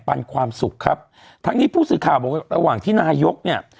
ปันความสุขครับทั้งนี้ผู้สื่อข่าวบอกว่าระหว่างที่นายกเนี่ย